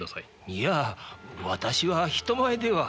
いや私は人前では。